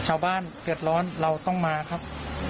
ชาวบ้านเดือดร้อนเราต้องมาครับ